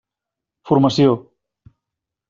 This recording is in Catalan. Formació.